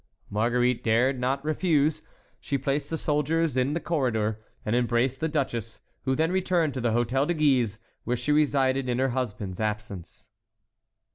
Marguerite dared not refuse; she placed the soldiers in the corridor, and embraced the duchess, who then returned to the Hôtel de Guise, where she resided in her husband's absence.